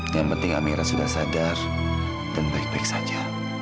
yang penting amira sudah sadar dan baik baik saja